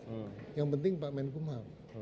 itu yang saya inginkan pak menkumham